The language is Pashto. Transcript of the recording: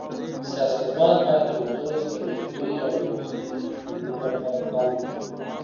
سیاستوال باید د ولس د غریبۍ او بې وزلۍ د ختمولو لپاره پلان ولري.